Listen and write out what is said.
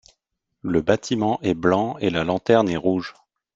Le bâtiment est blanc et la lanterne est rouge.